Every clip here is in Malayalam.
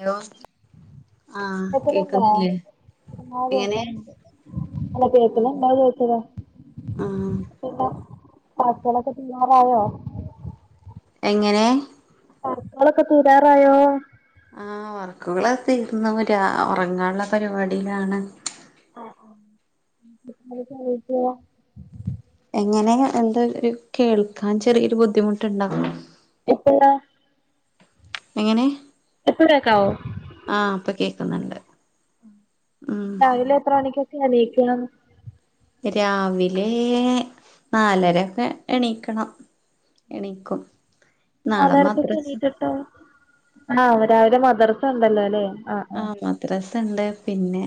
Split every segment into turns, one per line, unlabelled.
ഹലോ ആഹ്
കേക്കുന്നുണ്ടോ
കേക്കുന്നില്ലേ
ആ
എങ്ങനെ
കേക്കുന്നുണ്ട് അല്ല
ആഹ്
കേക്കുന്നുണ്ടോന്ന് ചോയിച്ചതാ
ആഹ്
പിന്നെ [unintelligible]
എങ്ങനെ
വർക്കുകൾ ഒക്കെ തീരാറായോ
ആ വർക്കുകൾ തീർന്നര് ഉറങ്ങാള്ള പരിപാടിയിലാണ്
ആഹ ആ [unintelligible]
എങ്ങനെ എന്താ ഒരു കേൾക്കാൻ ചെറിയൊരു ബുദ്ധിമുട്ടുണ്ട
എപ്പോഴ
എങ്ങനെ
ഇപ്പോകേക്കാവോ
ആ ഇപ്പൊ കേക്കുന്നുണ്ട് ഉം
രാവിലെ എത്ര മണിക്കാ എണീക്കാ
രാവിലെ നാലരൊക്കെ എണീക്കണം എണിക്കും നാളെ മദ്രസ
[inaudible] ആഹ രാവിലെ മദർസ ഉണ്ടല്ലോ ല്ലേ
ആഹ മദ്രാസണ്ട് പിന്നെ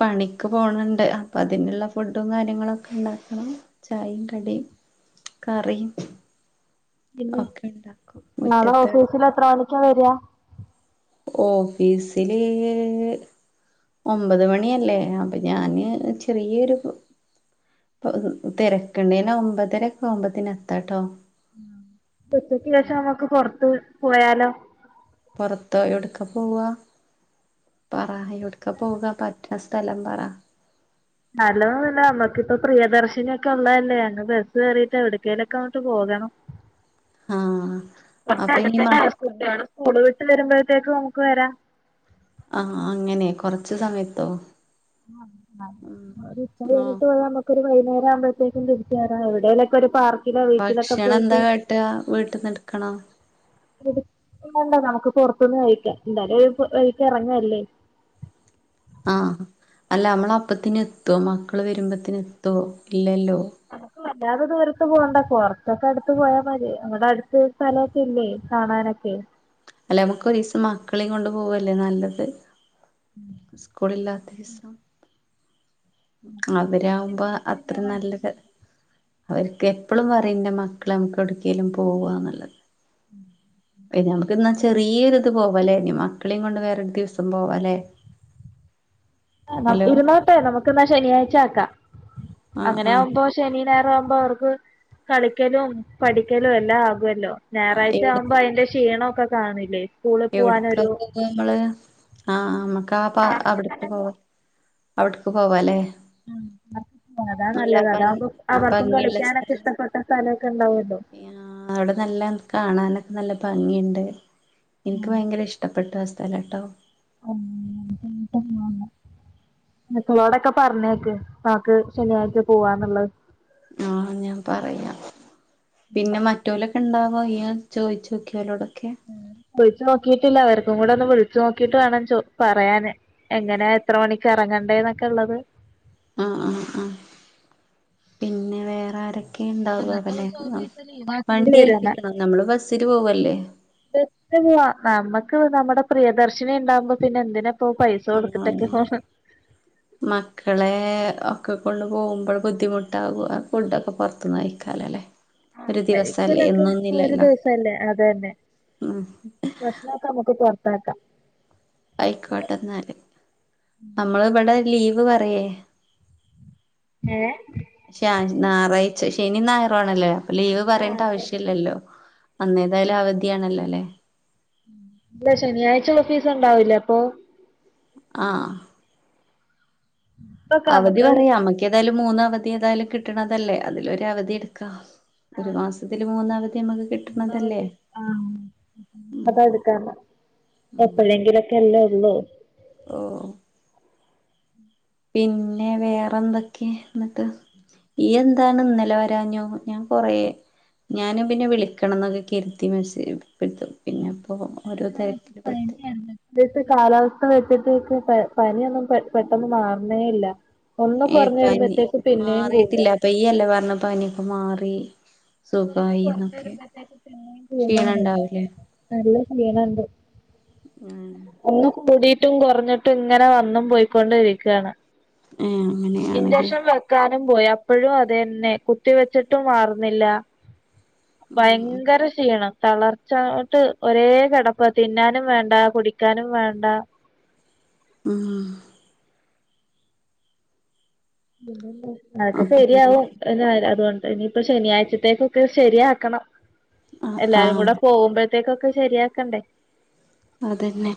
പണിക്ക് പോണണ്ട് അപ്പൊ അതിനുള്ള ഫുഡും കാര്യങ്ങളൊക്കെ ഉണ്ടാക്കണം ചായി കടിം കറിം
പിന്നെ നളെ ഓഫീസിൽ എത്ര മണിക്ക വരിക
ഓഫീസില് ഒമ്പത് മണിയല്ലേ അപ്പൊ ഞാന് ചെറിയൊരു ഇ തിരക്കണ്ടേ ന ഒമ്പതരക്കെ ആവുംമ്പതിന് എത്തട്ടോ
ഉച്ചക്ക് ശേഷം നമ്മുക്ക് പുറത്ത് പോയാലോ
പുറത്തോ എവിടുക്ക പോവ പറ എടുക്ക ഒക്കെ പോക പറ്റിയ സ്ഥലം പറ
അലോ നമ്മക്കിപ്പ പ്രിയദർശിനിയൊക്കെ ഉള്ളതല്ലേ അങ്ങ് ബെസ്സ് കേറിട്ട് എവ് ട്ക്കേലൊക്കെ അങ്ങിട്ട് പോകണം
ആഹ്
കൊർച്ച്
അപ്പൊ ഇനി
അടുത്തേക്ക്
മക്കള്
കുട്ട്യോള് സ്കൂള് വിട്ട് വരുമ്പോഴത്തേക്ക് നമുക്ക് വരാം
ആഹ് അങ്ങനെ കൊറച്ച് സമയത്തോ
[unintelligible] ഒര്
നോ
ഉച്ചായിട്ട് പോരാനമ ക്ക് ഒര് വൈന്നേരാമ്പത്തേക്കും തിരിച്ച് വരാ എവിടേലൊക്കെഒര്പാർക്ക്
ഭക്ഷണംന്താ കാട്ടാവീട്ട്ന്ന്ട്ക്കണ
എട്കണ്ട നമുക്ക് പൊറത്ത്ന്ന് കഴിക്കന്താലും ഒരു വഴിക്ക് ഇറങ്ങല്ലേ
ആഹ് അല്ല അമ്മള് അപ്പത്തിന് എത്വോമക്കള് വെരുമ്പത്തിന് എത്വോഇല്ലല്ലോ
നമുക്ക് വല്ലാതെ ദൂരത്ത് പോണ്ട കൊറച്ചൊക്കെ അടുത്ത് പോയാ മതി അവിടെ അടുത്ത് സ്ഥലൊക്കെ ഇല്ലേ കാണാനൊക്കെ
അല്ല അമുക്കൊരീസം മക്കളികൊണ്ട് പോവല്ലേ നല്ലത്
ഉം
സ്കൂളില്ലാത്തീസം അവരാമ്പോ അത്ര നല്ല അവര്ക്ക് എപ്പളുംപറിം ന്റെമക്ക്ളെ നമുക്ക് എടക്കേലും പോവ്വാന്ള്ളത് നമുക്ക്ന്ന ചെറിയൊര്ത് പോവല്ലേ ഇനിമ ക്ക്ളീംകൊണ്ട് വേറൊരുദിവസം പോവാല്ലേ
ഇരുന്നോട്ടേ നമുക്ക്ന്നാശെനിയാഴ്ച്ച
ആഹ് ആഹ്
ആക്കാഅങ്ങനവുമ്പോ ശെനി ഞായറുആമ്പോ അവർക്ക് കളിക്കലും പഠിക്കലും എല്ലാ ആകുല്ലോ
ആഹ്
ഞായറാഴ്ച
എവിടക്ക്
ആവുമ്പോ അയ്ന്റെ ഷീണം ഒക്കെ കാണില്ലേ സ്കൂളിൽ
ഏവ്ട്ക്ക
പോവാനൊരു
പോവ്വാമ്മള് ആഹ് ആ മ്മക്കാആപാ അവ്ട്ക്ക് പോവ്വ ഔട്ക്ക് പോവാലേ
ആഹ് അതാ നല്ലത് അതാവുമ്പോ
ആ
അവർക്കും
ഭംഗിയുള്ള
കളിക്ക്യാനൊക്കെ ഇഷ്ടപ്പെട്ട സ്ഥലൊക്കെണ്ടാവല്ലോ
യാ ഔടെ നല്ല കാണാനൊക്കെ നല്ല ഭംഗിണ്ട് ഇൻക്ക് ഭയങ്കര ഇഷ്ടപ്പെട്ടു ആ സ്ഥലട്ടോ
മക്കളോടൊക്കെ പർനേക്ക് പാക്ക് ശെന്യാഴ്ച പുവ്വാന്ള്ളത്
ആഹ് ഞാപറയാ പിന്നെമ റ്റോലക്കണ്ടാവോ ഇയ് ചോയ്ചോക്കി ഓലോടൊക്കെ
വിളിച്ചോക്കിട്ടില്ല അവർക്കുംകൂടെഒന്ന് വിളിച്ചോക്കിട്ട് വാണം ചോ പറയാന് എങ്ങനേഎത്ര മണിക്ക് എറങ്ങണ്ടേ ന്നൊക്കെള്ളത്
ആഹ് ആഹ് ആഹ് പിന്നെ വേറാരൊ ക്കെണ്ടാവ്വ്
അന്നത്തെ
വല്ലെ
ദിവസം
നം
ഓഫീസ് ലീവാക്കേണ്ടി
വണ്ടി
വരും
ഏൽപ്പിക്കണ നമ്മള് ബസ്സില് പോവല്ലേ
ബസില്ല നമ്മക്ക് നമ്മടെ പ്രിയദർശിനി ണ്ടാമ്പോ പിന്നെ എന്തിനപ്പോ പൈസ
ആ
കൊടുത്തിട്ടൊക്കെ
[unintelligible]
പോണ്
മക്കളേഒക്കെകൊണ്ട്പോവുമ്പോ ബുദ്ധിമുട്ടാവ്വോ ഫുഡൊക്കെ പൊർത്ത്ന്ന് അയ്ക്കാലൊല്ലേ
ആഹ് കഴിക്കലൊക്കെ ഒര്ദിവസല്ലേ അതന്നെ
ഉം
ഭഷ്നോക്കെമുക്ക് പൊർത്താക്കാ
അയ്ക്കോട്ടന്നാല് നമ്മള്ഇവടെ ലീവ് പറയേ
ഏ
ശ്യാൻജ് നാറാഴ്‌ച്ച ശെനിനായറും ആണല്ലേ ലീവ് പറണ്ട
ആഹ് ശരി
ആവശ്യല്ലല്ലോ അന്നേതായാലും അവധിണല്ലോല്ലേ
അല്ല ശനിയാഴ്ച്ചഓഫീസ്ണ്ടാവില്ലേ അപ്പൊ
ആഹ്
ഇപ്പൊക്കെ
അവധി
നമുക്ക്
പറയാമ്മക്കേതായാലും മൂന്ന് അവധി തായാലും കിട്ടണതല്ലേ അതിലൊരവധിട്ക്കാ
ആഹ് മൂന്നഅവധി ആഹ്
ഉം
അത് എടുക്കാ യെപ്പഴേങ്കിലൊക്കെല്ലേള്ളൂ
ഓ പിന്നെ വേറെന്തൊക്കെന്ട്ട് ഇഎന്താണ്ഇന്നലെ വരാഞ്ഞു ഞാൻ കുറേ ഞാനും പിന്നെ വിളിക്കണം എന്നൊക്കെ കരുത്തി മെസ്പ്പെടുത്തും പിന്നെ അപ്പോൾ ഓരോ തിരക്കില്ലേ പെട്ട്
പനിയായിരുന്നു ഇപ്പോഴത്തെ കാലാവസ്ഥ വെച്ചിട്ട് എനിക്ക് പനിയൊന്നും പെട്ടെന്ന് മാറണേയില്ല ഒന്ന്
ഏ
കുറഞ്ഞ്
പനി
വരുമ്പോഴത്തേക്ക് പിന്നെയും കൂടയ
മാറിയിട്ടില്ല ഈ അല്ല പറഞ്ഞ് പനിയൊക്കെ മാറി
കൊറഞ്ഞു
സുഖമായിന്നൊക്കെ
വരുമ്പോഴത്തേക്ക് പിന്നെയും
ശീണം
കൂടാണേ
ഉണ്ടാവലേ
നല്ല ശീണം ഉണ്ട് ഒന്ന് കൂടി കൂടെയിട്ടും കുറഞ്ഞിട്ടും ഇങ്ങനെ വന്നും പോയിക്കൊണ്ടിരിക്കയാണ്
ഏ അങ്ങനെയാണല്ലേ
ഇൻജക്ഷൻ വെ ക്കാനും പോയി അപ്പോഴും അത തന്നെ കുത്തി വെച്ചിട്ടും മാറുന്നില്ല
ഉം
ഭയങ്കര ശീണം തളർച്ചോട്ട് ഒരേ കിടപ്പ തിന്നാനും വേണ്ട കുടിക്കാനും വേണ്ട
ഉം
പിന്നെ എന്താ അതക്കൊ
അപ്പൊ
ശരിയാവും എന്ന അതുകൊണ്ട് ഇനിയിപ്പോ ശനിയാഴ്ചത്തേക്കൊക്കെ ശരിയാക്കണം
ആഹ്
എല്ലാരും
ആഹ്
കൂടെ പോകുമ്പോ അത്തേക്കെ ശരിയാക്കണ്ടേ
അതെന്നെ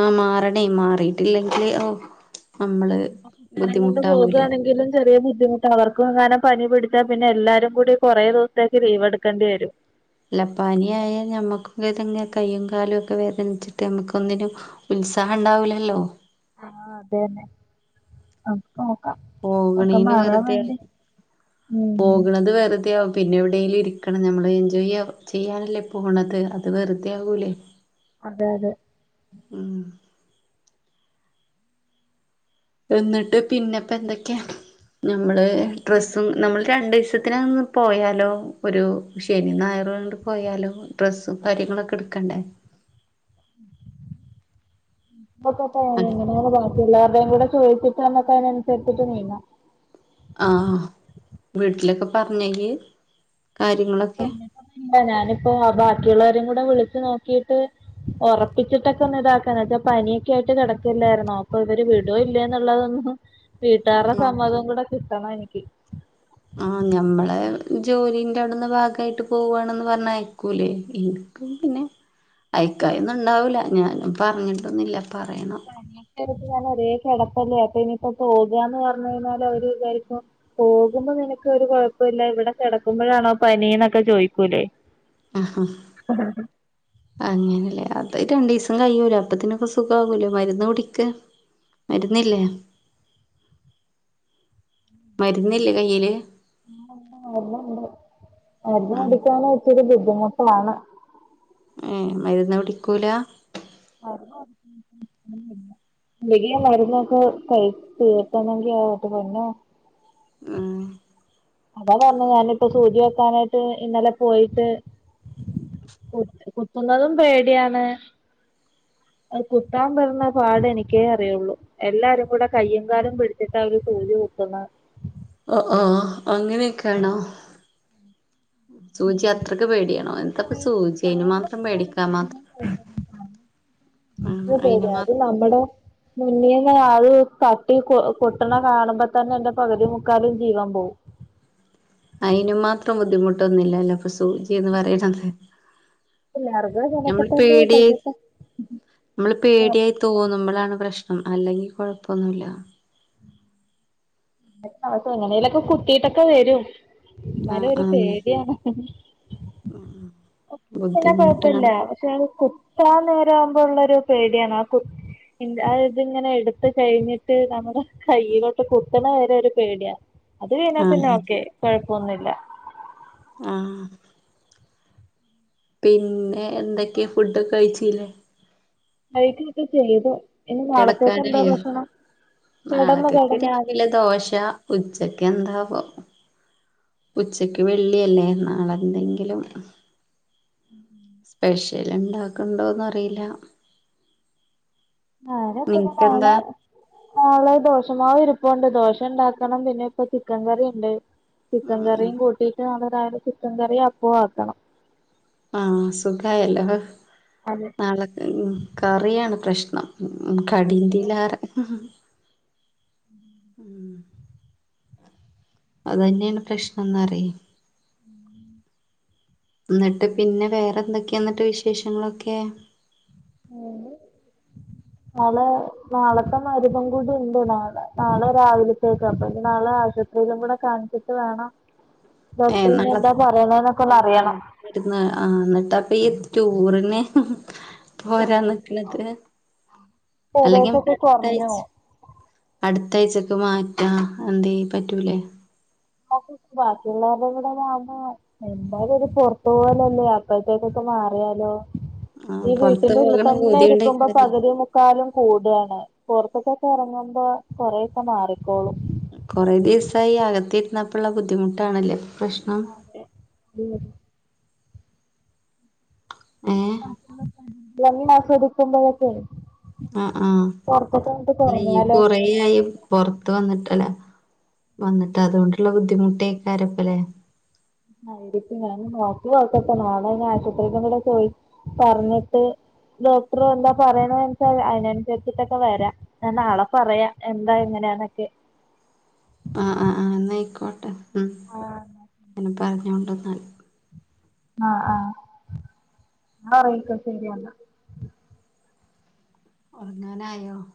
ആഹ മാറണേ മാറിട്ടില്ലെങ്കില് ഓ നമ്മള്
അപ്പൊ കുട്ടികളെ കൊണ്ട്
ബുദ്ധിമുട്ടാവൂലേ
പോകുകയാണെങ്കിലും ചെറിയ ബുദ്ധിമുട്ട് അവർക്കും അങ്ങനും പനി പിടിച്ച പിന്നെ എല്ലാരും കൂടി കുറേ ദിവസത്തേക്ക് ലീവ് എടുക്കേണ്ടി വരും
എല്ലാ പാനിയായാൽ നമ്മുക്ക് ഏതെങ്ങനെ കൈയും കാലുമൊക്കെ വേദനിച്ചിട്ട് നമുക്ക് ഒന്നിനും ഉത്സാഹം ഉണ്ടാവൂല്ലല്ലോ
ആഹ അതെ തന്നെ ആഹ നോക്കം
പോകണന് വെറുതെും
ഉം
പോകണത് വെറുതെ ആവും പിന്നെ ഇവിടെ എയിലും ഇരിക്കണം നമ്മൾ എൻജോയ് ചെയ്യാനല്ലേ പോകണത് അത് വെറുതെ ആകൂലേ [unintelligible]
അതെ അതെ
ഉം എന്നിട്ട് പിന്നെപ്പ എന്തൊക്കെയാ നമ്മള് ഡ്രസ്സും നമ്മൾ രണ്ട് ദിവസത്തിന് പോയാലോ ഒരു ശനി ഞായർ അങ്ങോട്ട് പോയാലോ ഡ്രസ്സും കാര്യങ്ങളും ഓക്കെ എടുക്കണ്ടേ
[inaudible] പിള്ളേരെടെയും കൂടെ ചോദിച്ചിട്ട് നമ്മുക്ക് അതിനാനുസരിച്ച് നീങ്ങാം
ആഹ് വീട്ടിലൊക്കെ പറഞ്ഞോ ഇയ്യ് കാര്യങ്ങളൊക്കെ
ഇല്ല ഞാനിപ്പോ ആ ബാക്കിയുള്ളവരും കൂടെ വിളിച്ചു നോക്കിട്ട് ഉറപ്പിച്ചിട്ടൊക്കെ ഒന്ന് ഇതാക്ക എന്ന വച്ചാ പനിയൊക്കെ ആയിട്ട് കിടക്കില്ലായിരുന്നോ അപ്പൊ ഇവര് വിടോ ഇല്ല എന്നുള്ളതൊന്നും വീട്ടുകാരുടെ
ആഹ്
സമ്മഥവും കൂടെ കിട്ടണം എനിക്ക്
ആ ഞമ്മളെ ജോലിന്റെ അവിടുന്ന് ഭാഗമായിട്ട് പോവാണന്ന് പറഞ്ഞ അയക്കൂലേ പിന്നെ അയക്കായൊന്നുണ്ടാവില്ല ഞാൻ പറഞ്ഞിട്ട് ഒന്നില്ല പറയണം
[unintelligible] ഞൻ ഒരേ കിടപ്പ് അല്ലെ അപ്പൊ ഇനിയിപ്പോ പോകുവാ പറഞ്ഞ കഴിഞ്ഞാൽ അവര് വിചാരിക്കും പോകുമ്പോ നിനക്ക് ഒരു കുഴപ്പയില്ല ഇവിടെ കിടക്കുമ്പോഴാണോ പനി എന്നൊക്കെ ചോദിക്കൂലേ
ആഹ് അങ്ങനല്ലേ അത് രണ്ടു ദിവസം കഴിയലോ അപ്പത്തിനൊക്ക സുഖമാകല്ലോ മരുന്ന് കുടിക്ക് മരുന്നില്ലേ മരുന്നില്ലേ കയ്യിയില്
ആ മരുന്ന് ഉണ്ട് മരുന്ന്
ആഹ്
കുടിക്കാന്‍ ഇച്ചിരി ബുദ്ധിമുട്ടാണ്
ഏഹ് മരുന്ന് കുടിക്കൂല
[inaudible] വലിയ മരുന്നൊക്കെ കഴിച്ച് തീർത്തണെങ്കി എന്റെ പോന്നോ
ഉം
അതാ പറഞ്ഞത് ഞാൻ ഞാനിപ്പോ സൂചി വെക്കാനായിട്ട് ഇന്നലെ പോയിട്ട് കു കുത്തുന്നതും പേടിയാണ് അത് കുത്താൻ പെടുണ പാട് എനിക്കേ അറിയുള്ളൂ എല്ലാരും കൂടെ കയ്യും കാലും പിടിച്ചിട്ട് അവര് സൂചി കുത്ത്ന്നേ
ഓഹ് ഓഹ് അങ്ങനെയൊക്കെയാണോ സൂചി അത്രയ്ക്ക് പേടിയണോ എന്താപ്പ സൂചി ആയ്ന്
പറയാതെ
മാത്രം
പൊട്ടാണെങ്കിൽ
പേടിക്കാൻ മാത്രം ആ
നല്ല
അയിന്
പേടിയാ
മാ
അത് നമ്മടെ മുന്നിന്ന് അത് തട്ടി കൊ കൊട്ടണ കാണുമ്പ തന്നെ എൻന്റെ പകുതി മുക്കാലും ജീവൻ പോവും
അയിന് മാത്രം ബുദ്ധിമുട്ടൊന്നില്ലല്ലോ സൂചിന്ന് പറയണത്
പിള്ളേർക്ക് അങ്ങനൊക്കെ
ഞമ്മൾ
തന്നെ
പേടി
പശുത്തെ
ഞമ്മള് പേടിയായി തോന്നുമ്പോളാണ് പ്രശ്നം അല്ലെങ്കിൽ കൊഴപ്പൊന്നുല്ല
[unintelligible] എങ്ങനെയെങ്കിലും കുത്തിട്ടൊക്കെ വരും
ആ
ഇന്നാലും ഒരു പേടിയാണ്
ഉം
പിന്നെ കുഴപ്പമില്ല പക്ഷെ കുത്താൻ നേരം ആവുമ്പോള്ള ഒരു പേടിയാണ് ആ കു അ ഇതിങ്ങനെ എടുത്ത കഴിഞ്ഞിട്ട് നമ്മുടെ കയ്യിലോട്ട് കുത്ത്ണ വരെ ഒരു പേടിയാ അത് കഴിഞ്ഞാൽ
ആ
പിന്നെ ഒക്കെ കുഴപ്പൊന്നുമില്ല
ആഹ് പിന്നെ എന്തൊക്കെ ഫുഡൊക്കെ കഴിച്ചില്ലേ
കഴിക്കൊക്കെ ചെയ്തു ഇനി നാളത്തേക്ക് എന്താ
കിടക്കാനായോ
ഭക്ഷണം കെടന്നു കെടന്നു
വിലെ ദോശ ഉച്ചക്ക് എന്താവോ ഉച്ചക്ക് വെള്ളിയല്ലേ നാളെ എന്തെങ്കിലും
ഉം
സ്പെഷ്യൽ ഇണ്ടാക്ക്ണ്ടോന്ന് അറിയില്ല
ആരാപ്ത്
നിനക്കെന്താ
കാണാ നാളെ ദോഷമാവ് ഇരിപ്പുണ്ട് ദോഷ ഇണ്ടാക്കണം പിന്നെ ഇപ്പൊ ചിക്കൻ കറി ഇണ്ട്
ആ
ചിക്കൻ
ആ
കറിയും കൂട്ടിട്ട് നാളെ രാവിലെ ചിക്കൻ കറിയും അപ്പം ആക്കണം
ആ സുഖായല്ലോ
അതെ
നാളെ കറിയാണ് പ്രശ്നം കടിന്റെലാറെ
ഉം
ഉം അത് തന്നെയാണ് പ്രശ്നംന്ന് പറയാ
ഉം
ന്നിട്ട് പിന്നെ വേറെ എന്തൊക്കെയാ ന്നിട്ട് വിശേഷങ്ങളൊക്കെ [inaudible]
നാളെ നാളത്തെ മരുന്നും കൂടി ഉണ്ട് നാളെ നാളെ രാവിലത്തേക്ക് അപ്പം ഇനി നാളെ ആശു ഒന്നും കൂടെ കാണിച്ചിട്ട് വേണം
ഏഹ്
ഡോക്ടറിനി
നാളെ
എന്താ പറയണേന്നൊക്കെ ഒന്ന്
ഏഹ് നാളെ
അറിയണം
ആഹ് ന്നിട്ട് അപ്പം ഈ ടൂറിന്ന് പോരാൻ നിക്ക്ണത് എത്ത്നാ അല്ലെങ്കിൽ നമ്മക്ക്
ഏകദേശൊക്കെ
അടുത്ത
കുറഞ്ഞു
ആഴ്ച അടുത്ത ആഴ്ചക്ക് മാറ്റാ എന്തേ പറ്റൂലേ
ബാക്കിയുള്ള വരുടെ കൂടെ വേണ്ടേ എന്തായാലും ഒരു പുറത്തു പോവലല്ലേ അപ്പഴത്തേക്കൊക്കെ മാറിയാലോ
ആഹ്
ഈ
പൊറത്ത്
വീട്ടിന് ഉുള്ളിൽ
പോകണ
തന്നെ ഇരിക്കുമ്പോ
പൂതിയോണ്ടേക്കാരല്ലേ
പകുതി കാലും കൂടാണ് പുറത്തൊക്കൊക്കെ ഇറങ്ങുമ്പോ കൊറേൊക്കെ മാറിക്കോളും
കുറെേ ദിവസായി അകത്തിരുന്നപ്പോള്ള ബുദ്ധിമുട്ടാണല്ലേ ഇപ്പം പ്രശ്നം
ഉം
ഏഹ്
ഭംഗി ആസ്വദിക്കുമ്പോഴൊക്കെ
ആഹ് ആഹ്
പുറത്തൊക്കെ അങ്ങട്ട്
അല്ലെ ഇ
കുറഞ്ഞാലോ
കൊറേയായി പുറത്ത് വന്നിട്ടല്ല വന്നിട്ട് അതുകൊണ്ടുള്ള ബുദ്ധിമുട്ടേക്കാരംപ്പല്ലേ
ആയിരിക്കും ഞാന് നോക്കിയോക്കട്ടെ നാളെ ആശുപത്രിക്ക് കൂടെ പോയി പറഞ്ഞിട്ട് ഡോക്ടർ എന്താ പറയണനച്ചാൽ അതിനനുസരിച്ചിട്ടൊക്കെ വരാ എന്ന നാളെ പറയാ എന്താ എങ്ങനെയാണന്നൊക്കെ.
ആഹ് ആഹ് ആഹ് എന്നയിക്കോട്ടെ ഉം
ആഹ്
എന്നാ പറഞ്ഞൊണ്ടന്നാല്.
ആഹ് ആഹ് എന്ന ഒറങ്ങിക്കൊ ശരിയെന്നാ
ഉറങ്ങനായോ?